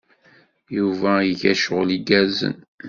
Yuba iga cɣel igerrzen.